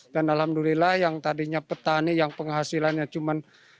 dan alhamdulillah yang tadinya petani yang penghasilannya